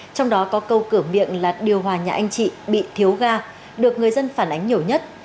trong đó có câu cửa miệng là điều hòa nhà anh chị bị thiếu ga được người dân phản ánh nhiều nhất